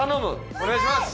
お願いします。